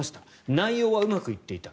内容はうまくいっていた。